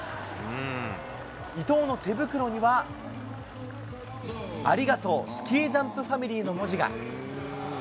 伊藤の手袋には、ありがとう、スキージャンプファミリーの文字が。